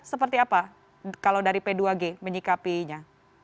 seperti apa kalau dari p dua g menyikapinya